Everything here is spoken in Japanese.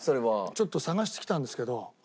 ちょっと探してきたんですけど。